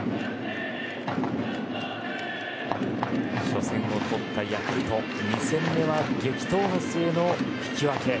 初戦を取ったヤクルト２戦目は激闘の末の引き分け。